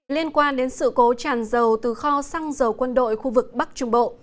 liên quan đến sự cố tràn dầu từ kho xăng dầu quân đội khu vực bắc trung bộ